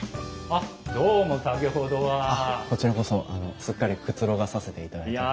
あっこちらこそすっかりくつろがさせていただいてます。